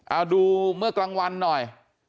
เอาดูเมื่อกลางวันหน่อย